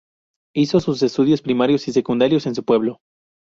Hizo sus estudios primarios y secundarios en su pueblo.